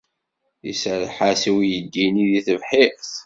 Iserreḥ-as i uydi-nni deg tebḥirt.